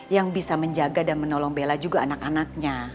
yang bisa menjaga dan menolong bella juga anak anaknya